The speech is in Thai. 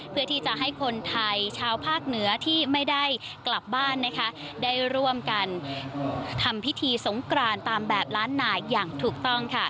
เพื่อที่จะให้คนไทยชาวภาคเหนือที่ไม่ได้กลับบ้านได้ร่วมกันทำพิธีสงกรานตามแบบล้านหน่ายอย่างถูกต้อง